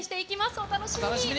お楽しみに。